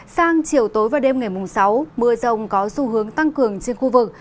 sang chiều tối và đêm ngày sáu mưa rông có xu hướng tăng cường trên khu vực